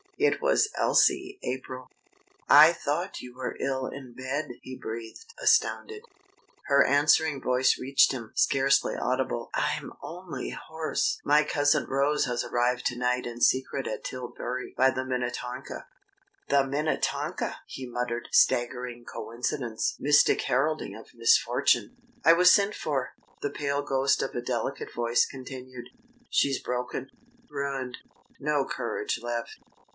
It was Elsie April. "I thought you were ill in bed," he breathed, astounded. Her answering voice reached him, scarcely audible: "I'm only hoarse. My cousin Rose has arrived to night in secret at Tilbury by the Minnetonka." "The Minnetonka!" he muttered. Staggering coincidence! Mystic heralding of misfortune! "I was sent for," the pale ghost of a delicate voice continued. "She's broken, ruined; no courage left.